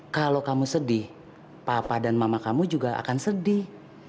kalau kamu sedih papa dan mama kamu juga akan sedih